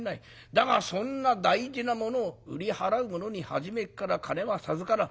だがそんな大事なものを売り払う者に初めから金は授からん。